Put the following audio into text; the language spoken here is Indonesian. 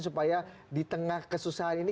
supaya di tengah kesusahan ini